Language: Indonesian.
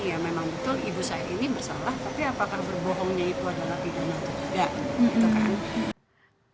ya memang betul ibu saya ini bersalah tapi apakah berbohongnya itu adalah pidana atau tidak gitu kan